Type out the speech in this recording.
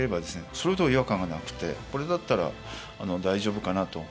それほど違和感がなくてこれだったら大丈夫かなと。